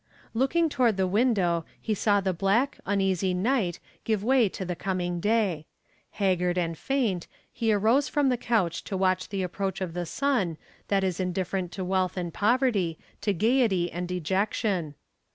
Looking toward the window he saw the black, uneasy night give way to the coming day. Haggard and faint he arose from the couch to watch the approach of the sun that is indifferent to wealth and poverty, to gayety and dejection.